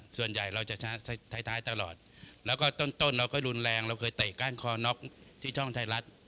ส่วนใหญ่เราจะชนะท้ายตลอดแล้วก็ต้นเราก็รุนแรงเราเคยเตะก้านคอน็อกที่ช่องไทยรัฐ